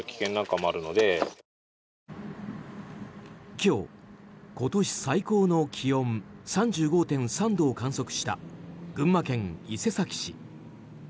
今日、今年最高の気温３５．３度を観測した群馬県伊勢崎市。